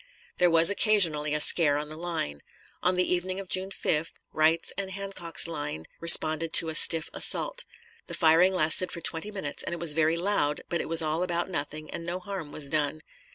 There was occasionally a scare on the line. On the evening of June 5th Wright's and Hancock's line responded to a stiff assault; the firing lasted for twenty minutes, and it was very loud, but it was all about nothing and no harm was done.